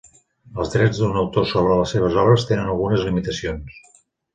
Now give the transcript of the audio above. Els drets d'un autor sobre les seves obres tenen algunes limitacions.